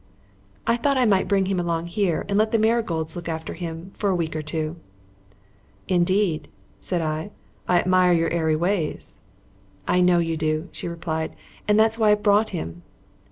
"I thought I might bring him along here and let the Marigolds look after him for a week or two." "Indeed," said I. "I admire your airy ways." "I know you do," she replied, "and that's why I've brought him."